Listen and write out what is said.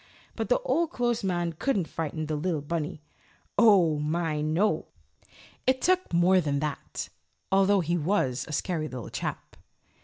But the Old Clothes Man couldn't frighten the little bunny. Oh, my no! It took more than that, although he was a scary little chap.